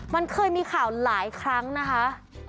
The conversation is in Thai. มันเคยมีข่าวหลายครั้งนะคะ